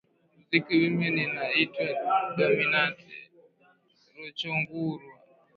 muziki mimi ninaitwa dominata rochongurwa